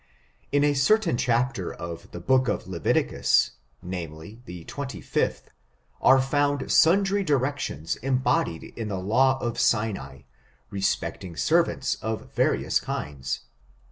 In a certain chapter of the book of Leviticus, name ly, the xxvth, are found sundry directions embodied in the law of Sinai, respecting servants of various kinds.